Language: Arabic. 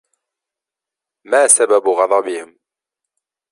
ما سبب غضبهم؟